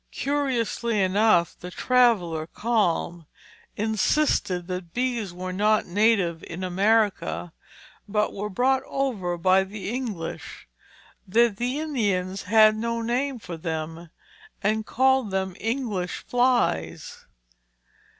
Curiously enough, the traveller, Kalm, insisted that bees were not native in America, but were brought over by the English; that the Indians had no name for them and called them English flies.